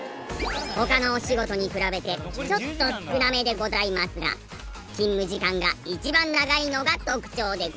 他のお仕事に比べてちょっと少なめでございますが勤務時間が一番長いのが特徴でございます。